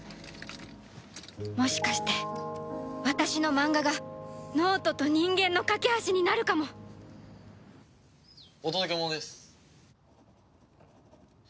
もしかして私のマンガが脳人と人間の懸け橋になるかも！お届け物です。